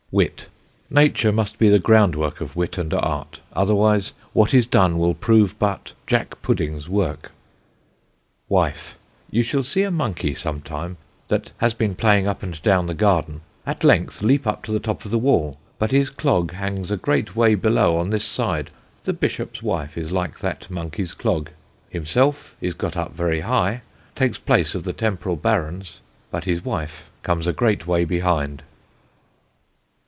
WIT. Nature must be the ground work of Wit and Art; otherwise whatever is done will prove but Jack pudding's work. WIFE. You shall see a Monkey sometime, that has been playing up and down the Garden, at length leap up to the top of the Wall, but his Clog hangs a great way below on this side: the Bishop's Wife is like that Monkey's Clog; himself is got up very high, takes place of the Temporal Barons, but his Wife comes a great way behind.